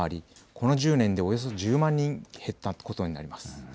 この１０年でおよそ１０万人減ったことになります。